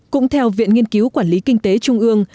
cũng theo viện nghiên cứu quản lý kinh tế trung ương